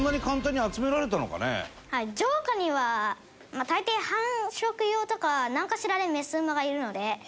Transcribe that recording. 城下には大抵繁殖用とかなんかしらでメス馬がいるので。